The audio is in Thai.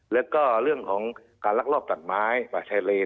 และก็เรื่องของการรักรอบตัดไม้ปลายใช้เลน